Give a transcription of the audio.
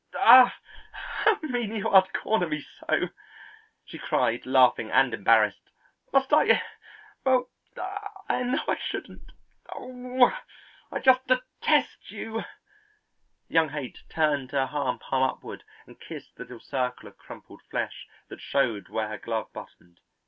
"Ah, how mean you are to corner me so!" she cried laughing and embarrassed. "Must I well I know I shouldn't. O oh, I just detest you!" Young Haight turned her hand palm upward and kissed the little circle of crumpled flesh that showed where her glove buttoned.